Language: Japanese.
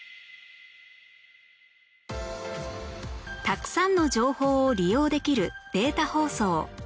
たくさんの情報を利用できるデータ放送